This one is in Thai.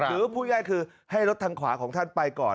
พูดง่ายคือให้รถทางขวาของท่านไปก่อน